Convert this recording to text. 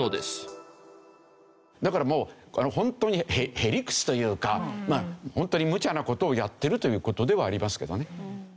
だからもう本当に屁理屈というか本当にむちゃな事をやってるという事ではありますけどね。